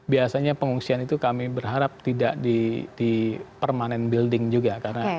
biasanya pengungsian itu kami berharap tidak di permanent building juga